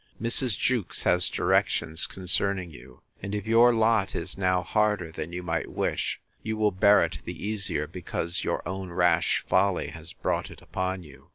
'Mrs. Jewkes has directions concerning you: and if your lot is now harder than you might wish, you will bear it the easier, because your own rash folly has brought it upon you.